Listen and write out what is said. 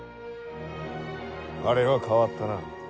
あれは変わったな。